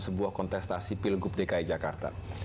sebuah kontestasi pilgub dki jakarta